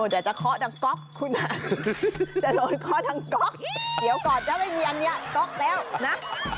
เดี๋ยวจะเคาะดังก๊อกคุณจะโดนเคาะทางก๊อกเดี๋ยวก่อนถ้าไม่มีอันนี้ก๊อกแล้วนะ